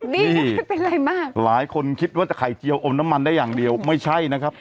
นี่ไม่เป็นไรมากหลายคนคิดว่าจะไข่เจียวอมน้ำมันได้อย่างเดียวไม่ใช่นะครับ